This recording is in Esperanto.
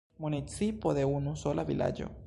Municipo de unu sola vilaĝo.